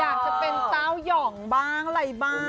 อยากจะเป็นเต้ายองบ้างอะไรบ้าง